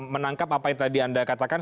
menangkap apa yang tadi anda katakan